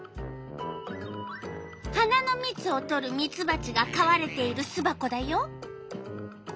花のみつをとるミツバチがかわれているすばこだよ。